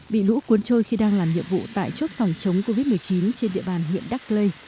bị lũ cuốn trôi khi đang làm nhiệm vụ tại chốt phòng chống covid một mươi chín trên địa bàn huyện đắc lây